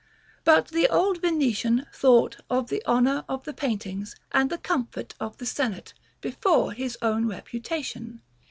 But the old Venetian thought of the honor of the paintings, and the comfort of the senate, before his own reputation.